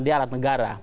dia alat negara